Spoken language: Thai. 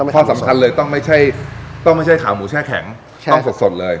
ความสำคัญเลยต้องไม่ใช่ต้องไม่ใช่ขาหมูแช่แข็งต้องสดเลย